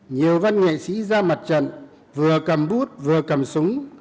nhiều văn nghệ sĩ ra mặt trận vừa cầm bút vừa cầm súng